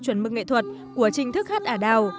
chuẩn mực nghệ thuật của trình thức hát ả đào